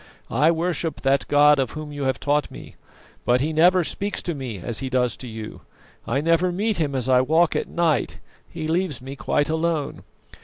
I worship that God of Whom you have taught me, but He never speaks to me as He does to you. I never meet Him as I walk at night; He leaves me quite alone.